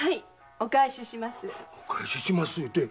お返ししますって。